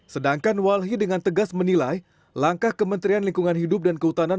sedangkan walhi dengan tegas menilai langkah kementerian lingkungan hidup dan kehutanan